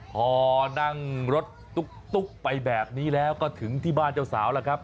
พอนั่งรถตุ๊กไปแบบนี้แล้วก็ถึงที่บ้านเจ้าสาวแล้วครับ